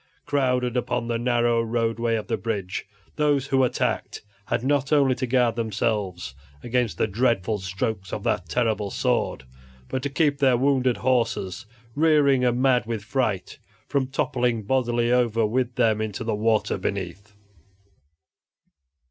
Crowded upon the narrow roadway of the bridge, those who attacked had not only to guard themselves against the dreadful strokes of that terrible sword, but to keep their wounded horses (rearing and mad with fright) from toppling bodily over with them into the water beneath.